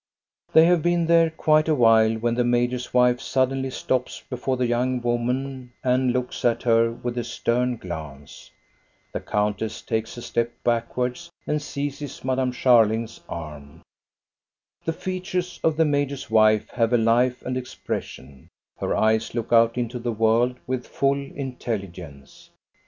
They have been there quite a while when the major's wife suddenly stops before the young woman and looks at her with a stern glance. The countess takes a step backwards and seizes Madame Scharling's arm. The features of the major's wife have life and ex pression, her eyes look out into the world with full intelligence.